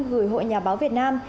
gửi hội nhà báo việt nam